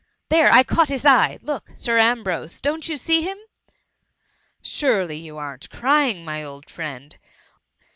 There I caught his eye — Look, Sir Ambrose ! don't you see him? — Surely you am't crpng, my old friend?